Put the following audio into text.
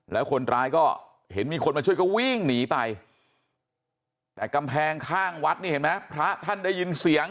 แล้วคนร้ายก็เห็นมีคนมาช่วยก็วิ่งหนีไปแต่กำแพงข้างวัดนี่เห็นไหมพระท่านได้ยินเสียง